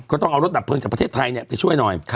ก็ต้องเอารถดับเพลิงจากประเทศไทยไปช่วยหน่อย